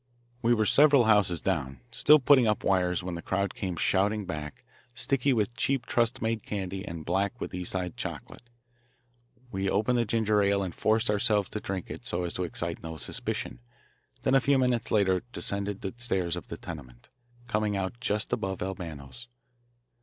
We were several houses down, still putting up wires when the crowd came shouting back, sticky with cheap trust made candy and black with East Side chocolate. We opened the ginger ale and forced ourselves to drink it so as to excite no suspicion, then a few minutes later descended the stairs of the tenement, coming out just above Albano's.